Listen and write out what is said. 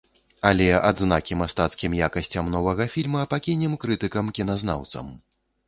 Але адзнакі мастацкім якасцям новага фільма пакінем крытыкам-кіназнаўцам.